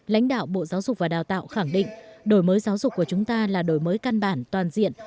lãnh đạo bộ giáo dục và đào tạo khẳng định đổi mới giáo dục của chúng ta là đổi mới căn bản toàn diện